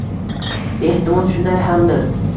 Ehtimol shunday hamdir.